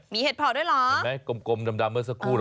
มีเหตุผลด้วยเหรอกลมำำำเผิตสักผู้แบบ